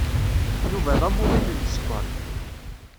Yuba d amuḍin n sskeṛ.